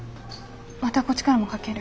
またこっちからもかける。